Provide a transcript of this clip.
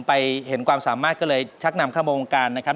เห็นความสามารถก็เลยชักนำเข้าวงการนะครับ